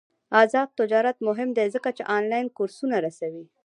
آزاد تجارت مهم دی ځکه چې آنلاین کورسونه رسوي.